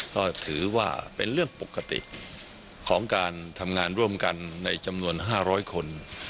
ก็ถือว่าเป็นเรื่องปกติของการทำงานร่วมกันในจำนวน๕๐๐คน